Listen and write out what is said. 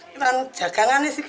ini kan jagangan sih